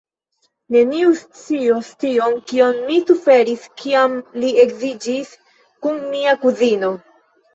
Neniu scios tion, kion mi suferis, kiam li edziĝis kun mia kuzino.